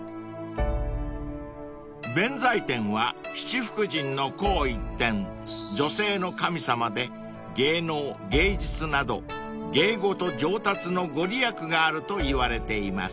天は七福神の紅一点女性の神様で芸能・芸術など芸事上達の御利益があるといわれています］